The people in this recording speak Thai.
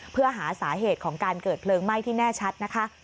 เพื่อหาสาเหตุของการเกิดเพลิงไหม้ที่แน่ชัดนะคะ